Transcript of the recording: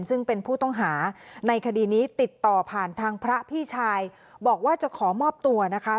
ซึ่งเป็นผู้ต้องหาในคดีนี้ติดต่อผ่านทางพระพี่ชายบอกว่าจะขอมอบตัวนะคะ